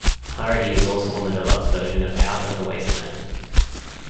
"Clarity" is also on the deluxe version of Out of the Wasteland.